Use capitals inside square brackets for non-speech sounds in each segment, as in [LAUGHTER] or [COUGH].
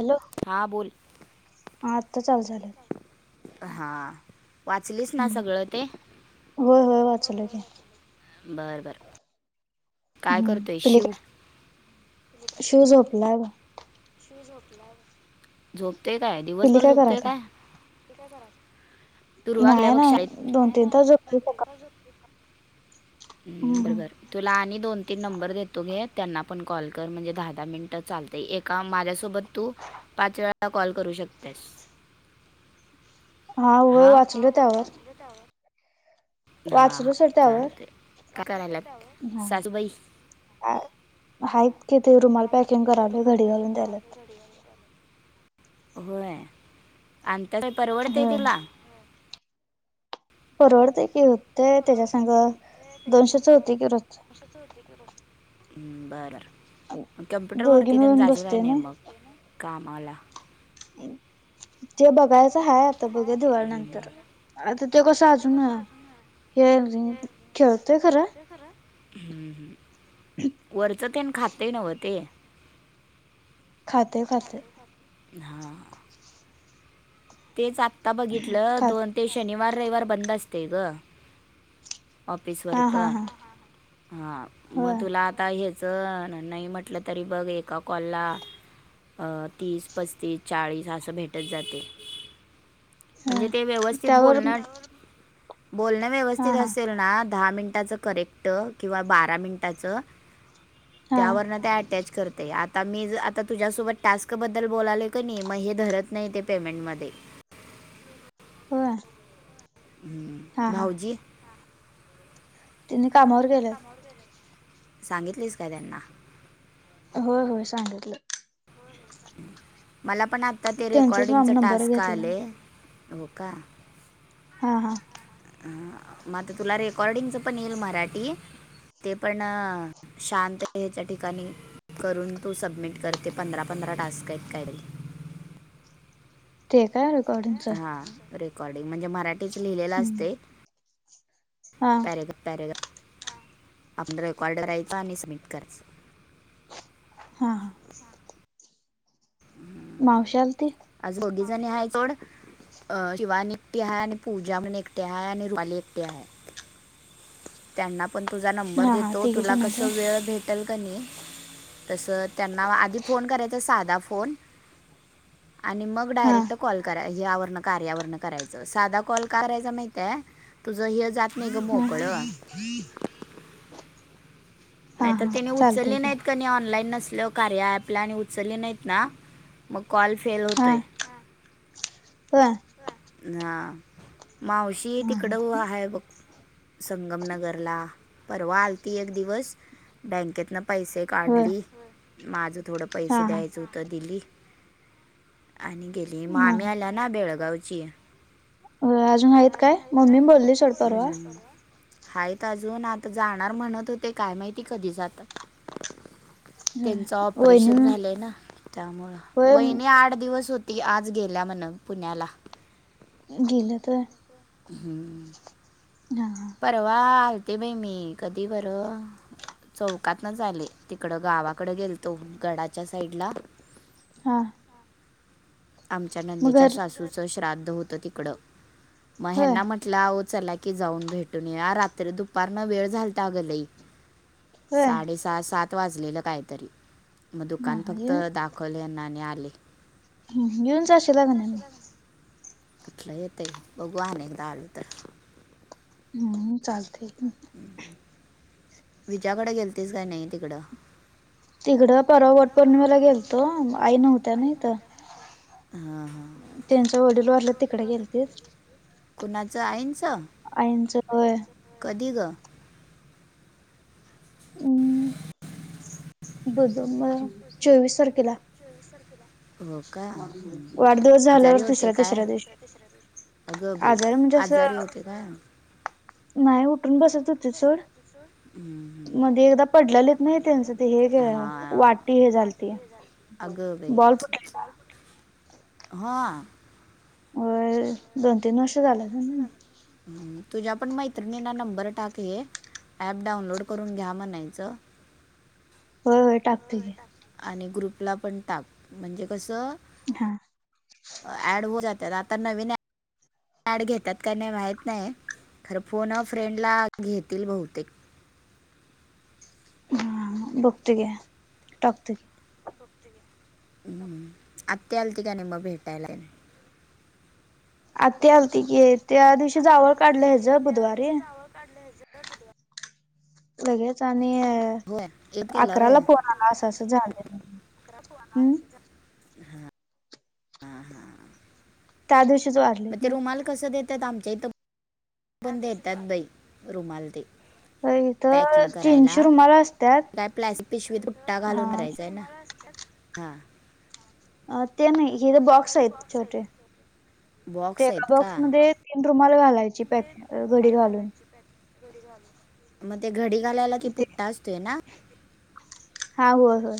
Hello. हां बोल. हा. आत्ता चालू झालंय. हां. वाचलीस ना, हम्म सगळं ते. होय होय वाचलो. बरं. बर. काय हम्म करतोय तु लेट शिव का? शिव झोपलाय बघ. झोपते काय, पिली दिवसभर झोपते करायल्या काय. तू काय करायल्या? नाही नाही दोन तीन तास झोपतो‌ सका बरोबर. हम्म तुला आणि दोन तीन नंबर देतो घे, त्यांना पण कॉल कर म्हणजे, दहा दहा मिनिट चालत एक. का माझ्यासोबत तू, पाच वेळा कॉल करू शकतेस. हा ही वाचलोय त्यावर. [UNINTELLIGIBLE] हा वाचलो हा. सोड त्यावर चालतंय कराल्यात हा सासूबाई. आहेत कि ते रुमाला पॅकिंग करालोय, घडी घालून द्यायलोय. होय. आणत्या ते परवडते होय तिला. परवडते की होते, तेच्या संग दोनशेच होतंय की रोज. बरंर कम्प्युटर दोघी वरती तेन, मिळून जाशिल की‌ बसतोय नाही मग. कामाला. टी बघायचं हाय, आता बघूया दिवाळी नंतर. आता ते कसं अजून, हे खेळतय खरं. हम हम. वरचं तेन खातातय नवं ते, खातोय खातोय. हा. तेच आत्ता बघितलं, खात दोन ते शनिवार रविवार बंद असतय गं. ऑफिस हा वर्क हा हा हा, होय मग तुला आ आता हेच नाही म्हटलं तरी, बघ एका कॉल ला. तीस पस्तीस चाळीस असं भेटत जातंय. ह म्हणजे ते व्यवस्थित त्यावर बोलण, बोलणं हा व्यवस्थित हा अस ना दहा मिनिटाच करेक्ट, किंवा बारा मिनटाच. हा त्यावर ना त्या तेच करते. आता मी आता तुझ्यासोबत टास्क बद्दल बोलालोय कणी, नाही मग हे धरत नाही ते पेमेंट मध्ये. होय. हम्म, हा भाऊजी. तेन्ही कामावर. गेलेत सांगितलीस काय त्यांना. होय होय सांगितले. मला पण आता ते, त्यांचाच रेकॉर्डिंगचा नंबर टास्क घेतला आले हो का. हां हां. हं. मग आता तुला रेकॉर्डिंगच पण येईल मराठी. ते पण शांत आहे, हेच्या ठिकाणी. करून तू सबमिट करते, पंधरा पंधरा टास्क आहेत काय तरी. ते काय. रेकॉर्डिंगच हा. रेकॉर्डिंग म्हणजे, मराठीच लिहिलेलं असतंय. हा पेरेग्राफ परे आपण कॉर्डर यायचा आणि सबमिट कराचं. हा हा. [INAUDIBLE] मावशी आलती. आज दोगीजणी आहे सोड. अं शिवानी एकटी आहे आणि पूजा म्हण एकटे आहे आणि रुपाली एकटे आहे. त्यांना पण तुझा नंबर हा हा देतो, तिघी तुला जण आहेत कस होय वेळ भे तर कनी तस त्यांना आधी फोन करायचा साधा फोन आणि मग हा डायरेक्ट कॉल कराय यावरणं करायचं साधा कॉल करायचा माहितीये तुझं हे जात नाही हम. मोकळं हा नाही तर हा तिने चालतय उचलली की नाहीत काणी ऑनलाईन नसल्याव कार्य ऍपला आणि उचलली नाहीत ना मग कॉल फेल हा होतोय. होय? हा मावशी हा तिकडं व आहे बघ. संगमनगरला परवा आलती एक दिवस. बँकेतन पैसे होय काढली, माझं थोडं हा पैसे हा द्यायचं होतं दिली. आणि गेली, मग हा मामी आल्या ना बेळगावची. अजून आहेत काय? मम्मी बोलली सोड परवा. हायत अजून आता जाणार म्हणत होते काय माहिती कधी जातात. होय त्यांच वहिनी ऑपरेशन झालंय ना, त्यामुळ होय वहिनी आठ दिवस होते ती आज गेल्या म्हण पुण्याला. गेलं तर? हम्म. ह ह. परवा आलते बाई मी कधी बर चौकात नच आले तिकड गावाकडे गेलतो गडाच्या साईड ला हा. आमच्या मग नंदेच्या घर सासूचं श्राद्ध होतं तिकडं, मग होय ह्यांना म्हट तटला चला की जाऊन भेटून या, रात्री दुपारन वेळ झालता अ गलई. होय साडे सहा सात वाजलेलं काहीतरी मग हा दुकान हा फक्त येऊन दा अकली यांना आणि आली. येऊन जाशीला का नाही मग कुठलं येतय, बघु आणे एकदा आल तर. हम् चालते. विजकडे गेलतीस काय नाही तिकडं? तिकडं परवा वट पौर्णमेला गेल तो आई नव्हत्या नाही तर हां हां त्यांच्या वडील वरलं तिकडे गेल तेस. कोणाचं आईच? आईनच होय. कधी ग? हम्, दो द म चोवीस तारखेला. जसर केला. वाढदिवस झाल्यावर, होते तिसऱ्या काय तिसऱ्या दिवशी. अगं बाई आजार म्हणजे असं, आजारी होते काय नाही उठून बसत होते सोड. मध्ये एकदा म्हणजे एकदा पडलेलीत नाही त्यांचं ते पडलेलेच हे वाटी हे नाही वाट झालती हे झाली. अग बाई बॉल फुटलेला [INAUDIBLE] हा. व, दोन तीन वर्ष झालं. ह तुझ्या पण मैत्रिणींना नंबर टाकले ॲप डाउनलोड करून घ्या म्हणायचं. होय, टाकतोय की. आणि ग्रुपला पण टाक म्हणजे कसं हा. ऍड व जातात आता नवीन ए कार्ड घेतात का नाही माहीत नाही खरं फोन अ फ्रेंडला घेतील बहुतेक. हा हा बघतो की टाकतो घे. [UNINTELLIGIBLE] आत्या आलती की नाही मग भेटायला. आती आलती कि. आत्या आलती की त्या दिवशी जावळ काढल्या हेच [UNINTELLIGIBLE] तुला लगेच आणि होय एक केला वय अकराला फोन आला अस अस झालं हम्म हा. त्या दिवशीच वारलेत ना. कस देतात आमच्या इथं, पण देतात बाई रुमाल ते, होय इथं पॅकिंग करायला, तीनशे रुमाला असत्यात काय प्लास्ट पिशवीतुट्टा घालून हा करायचा. ते ना हा. अ ते नाही हेि ज बॉक्स आहेत छोटे. ते बॉक्स एका आहेत का बॉक्समध्ये तीन रुमाल घालायची पॅक अ घडी घालून. मग ते घडी घालायला की ते पुट्टा असतोय ना? हा होय होय.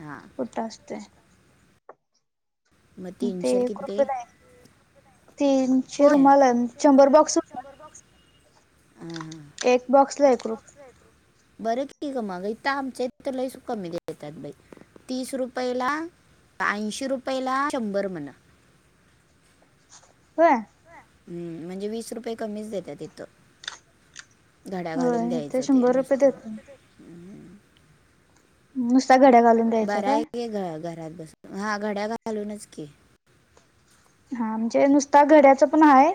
हा. त्यास ते मग ते तीनशे किती काॅटन आहे, तीनशे रुमाल शंभर बॉक्स. शंभर बॉक्स हा एक बॉक्सला एक रुपये हा बरं की. मग आमच्या इथं लै च कमीे देत्यात बाई. तीस रुपयला, ऐंशी रुपयला शंभर म्हण. होय? हम्म म्हणजे वीस रुपये कमीच देतात तिथं. घड्या घालून होय इथे द्यायचं ते शंभर रुपये नुसतं. देतात. [UNINTELLIGIBLE] द्यायच्या बर काय आहे की ग घरात बसून हा घड्याळ घालूनच की. हा म्हणजे नुस आता घड्याच पण आहे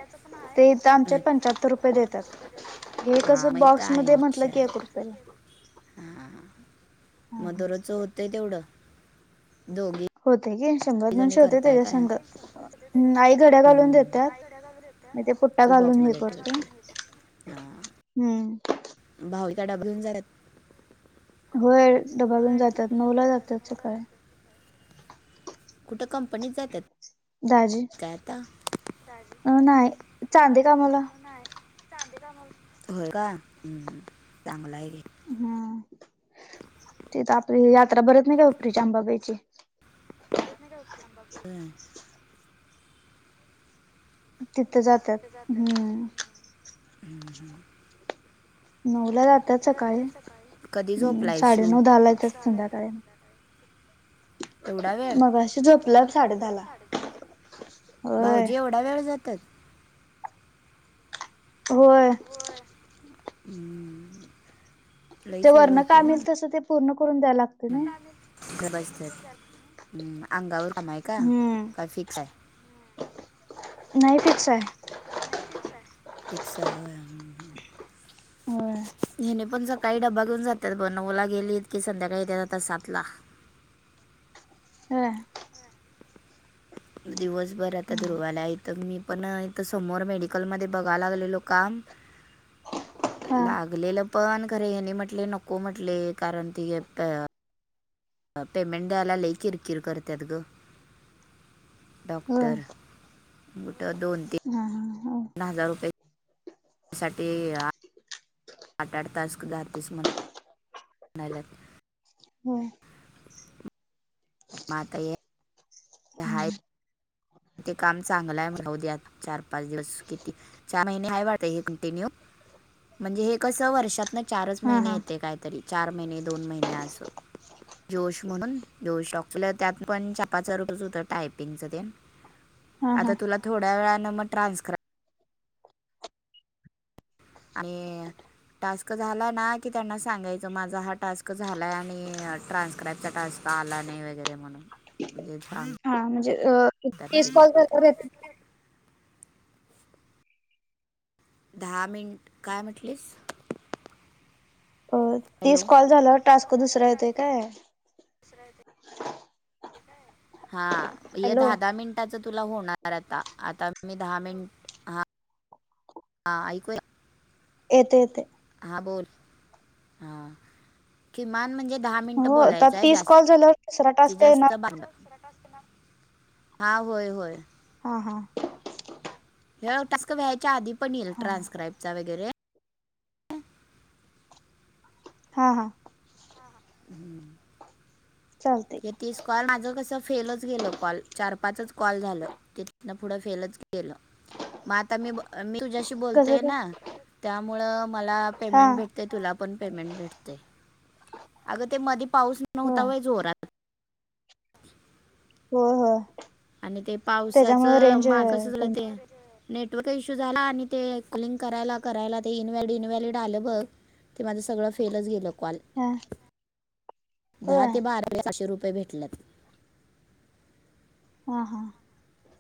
ते इथ आमच्या पंच्याहत्तर रुपये देतात. एकच हा मग इथं बॉक्स मध्ये ऐंशी म्हटलं कि, आहे एक रुपये ला. हा, मग दरोचं होतंय तेवढं दोघी होते की शंभर जणी दोनशे होते, करताय तेच्या काय संग आई घड्या घालून हम्म. देत्यात. मी ते पुट्टा घालून हे करतो हां. हम्म. भाऊजी काय डबा घेऊन जातात? होय डबा घेऊन ग जातात नऊ ला जातात सकाळी. कुठं कंपनीत जात्यात. दाजी अ नाही चांदे का मला होय काय चांगलं आहे गे. हम तिथं आपली यात्रा भरत नाही काय, हुपरीच्या अंबाबाईची. हमम तिथं जात्यात हम्म. हम्म हम्म [UNINTELLIGIBLE] नऊला जातात सकाळी सकाळी कधी हम्म झोपलाय शिव? साडेनऊ साडेनऊ येतात दहाला संध्याकाळी एवढा वेळ मगाशी झोपला साडे दहाला होय भाऊजी एवढा वेळ जातात? होय. होय अं जे वरनं काम येईल तसं ते पूर्ण करून द्या लागत हम्म [UNINTELLIGIBLE] हम्म आंगावर काम हाय का हम्म काय फिक्स हाय? नाय फिक्स हाय. फिक्स हाय व्हय होय हिने पण सकाळी डबा घेऊन जात्यात ब नऊला गेलीत की संध्याकाळी येत्यात आता सातला. हम्. [INAUDIBLE] दिवसभर आता दुर्वालाय हिथं मी पण इथं समोर मेडिकलमध्ये बघाय लागलेलो काम [INAUDIBLE] हा लागलेलं पण खरे हेनी म्हटले नको म्हटले कारण ती पेमेंट द्यायला लई किरकीर करत्यात गं. होय डॉक्टर मोठं दोन-तीन हा ह हा. धा हजार रुपये साठीय आठ याड टास्क जा तेस म्हणे. नाय [UNINTELLIGIBLE] हो. माता ये हायत ते काम चांगलं हाय म्हटलं राहू दे चार पाच दिवस किती चार महिने हाय वाटतय हे कंटिन्यू. म्हणजे हे कसं वर्षातनं चारच हा महिने हा येते कायतरी चार महिने दोन महिने असं. जोश म्हणून जोश डॉक् त्यात पण छपाचं रूपच होत टायपिंगच ते [INAUDIBLE] आता तुला थोड्या वेळानं म ट्रान्सक्राई आणि टास्क झाला ना की त्यांना सांगायचं माझा हा टास्क झालाय आणि ट्रान्स्क्राईबचा टास्क का आला नाही वगैरे म्हणून म्हणजे हा म्हणजे अ तीस ते कॉल. [UNINTELLIGIBLE] दहा मिनट काय म्हटलीस? अ हॅलो तीस कॉल झाललयावर टास्क दुसरा येतोय काय? तसय [UNINTELLIGIBLE] हा हे हॅलो दहा दहा मिनट त्याचं तूला होणार आता आता मी दहा मिन हा ऐकू येतंय येतंय. हां बोल हां किमान म्हणजे दहा मिनिटं हो आता बोलायचंय तीस कॉल झाल्यावर दुसरा जास्ती टास्क येणार जास्त बारा मिंट. हा होय होय. हा हा. ह्यो टास्क व्हायच्या आधी पण येईल हा ट्रान्स्क्राईबचा वगैरे. हा हा. हम्म. चालते येतीस कॉल माझं कसं फेलच गेलं कॉल चार-पाचच कॉल झालं तिथनं पुढं फेलच गेलं. मग आता मी मी तुझ्याशी कसं बोलतेय काय ना त्यामुळ मला हा पेमेंट भे ते तुला पण पेमेंट भेटतय. अग ते मदी पाऊस होय नव्हता व्हय जोरात? हो हो. आणि ते पावसाचं मा कसं झालय ते? हा नेटवर्क इश्यू झाला आणि ते, कॉलिंग करायला करायला ते इनव्हॅलड इनव्हॅलिड आलं बघ. ते माझं सगळं फेलच गेलं कॉल दहा होय ते बारा पाचशे रुपये भेटलत हा हा.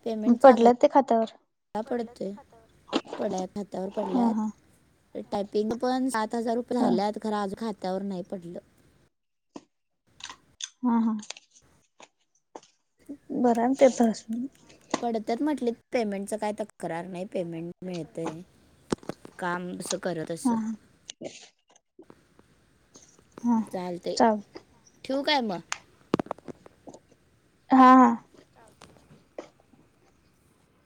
पेमेंट पडलं ते खात्यावर चांगला पडत पड हातावर हा हा पडल्यात टायपिंग पण सात हजार रुपये ह झाल्यात खरं, आज खात्यावर नाही पडलं हा, हा बरं ये, तेच असून. पडत्यात म्हटलीत पेमेंटचा काय तक्रार नाही पेमेंट मिळतंय काम कसं करत अस हा हा चालतंय, चाल ठेऊ काय मग हा, हां